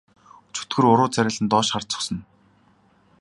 Чөтгөр уруу царайлан доош харж зогсоно.